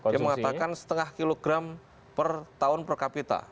dia mengatakan setengah kilogram per tahun per kapita